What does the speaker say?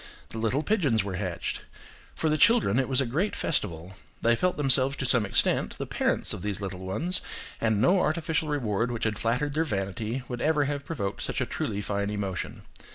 The little pigeons were hatched. For the children it was a great festival. They felt themselves to some extent the parents of these little ones, and no artificial reward which had flattered their vanity would ever have provoked such a truly fine emotion.